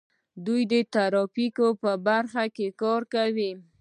دوی د ترافیکو په برخه کې کار کوي.